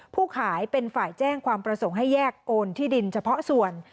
ผู้ขายเป็นฝ่ายแจ้งความประสงค์ให้แยกโอนที่ดินเฉพาะส่วน